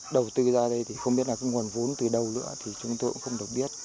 đầu tư ra đây thì không biết là cái nguồn vốn từ đâu nữa thì chúng tôi cũng không được biết